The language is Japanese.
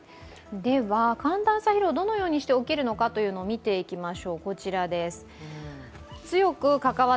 寒暖差疲労、どのようにして起きるかを見ていきます。